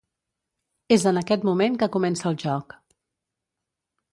És en aquest moment que comença el joc.